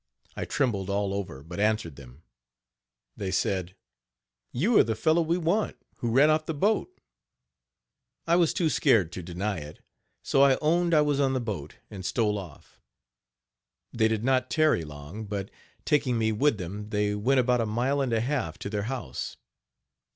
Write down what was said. I trembled all over but answered them. They said: "You are the fellow we want, who ran off the boat." I was too scared to deny it; so I owned I was on the boat, and stole off. They did not tarry long, but, taking me with them, they went, about a mile and a half, to their house.